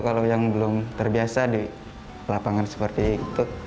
kalau yang belum terbiasa di lapangan seperti itu